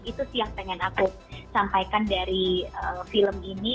itu sih yang pengen aku sampaikan dari film ini